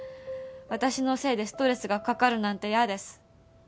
私のせいでストレスがかかるなんて嫌です。